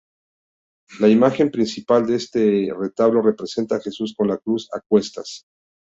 La imagen principal de este retablo representa a Jesús con la cruz a cuestas.